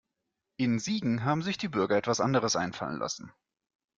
In Siegen haben sich die Bürger etwas anderes einfallen lassen.